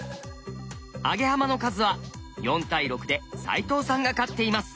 アゲハマの数は４対６で齋藤さんが勝っています。